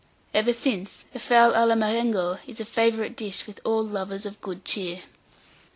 Ever since, a fowl à la Marengo is a favourite dish with all lovers of good cheer.